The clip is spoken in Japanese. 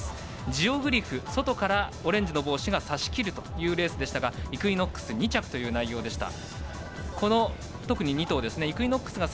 ジオグリフ外からオレンジの帽子がさしきるという様子でしたがイクイノックス２着でした。